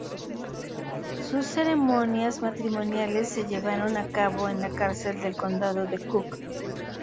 Sus ceremonias matrimoniales se llevaron a cabo en la cárcel del Condado de Cook.